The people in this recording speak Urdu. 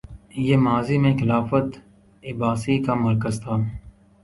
یہ ماضی میں خلافت عباسیہ کا مرکز تھا